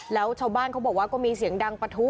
แล้วชาวบ้านเขาบอกว่าก็มีเสียงดังปะทุ